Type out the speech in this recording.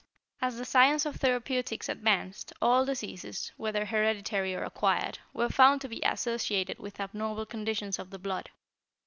"As the science of therapeutics advanced, all diseases whether hereditary or acquired were found to be associated with abnormal conditions of the blood.